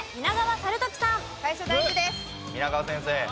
皆川先生。